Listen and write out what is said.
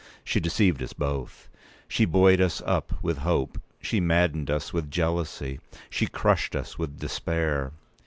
She deceived us both. She buoyed us both up with hope; she maddened us with jealousy; she crushed us with despair.